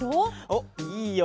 おっいいよ。